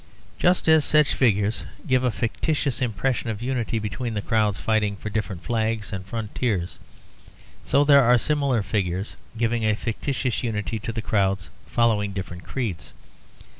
Just as such figures give a fictitious impression of unity between the crowds fighting for different flags and frontiers, so there are similar figures giving a fictitious unity to the crowds following different creeds.